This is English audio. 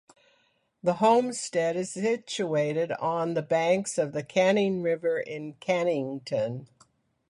The homestead is situated on the banks of the Canning River in Cannington.